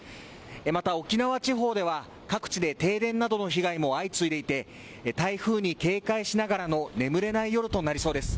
また沖縄地方では各地で停電などの被害も相次いでいて台風に警戒しながらの眠れない夜となりそうです。